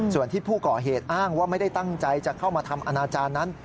ส่วนที่ผู้ก่อเหตุอ้างว่าไม่ได้ตั้งใจจะเข้ามาทำอนาจารย์นั้น